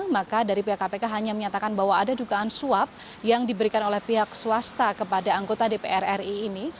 maka dari pihak kpk hanya menyatakan bahwa ada dugaan suap yang diberikan oleh pihak swasta kepada anggota dpr ri ini